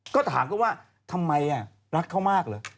ก็ถามเขาว่าทำไมรักเขามากเหรอ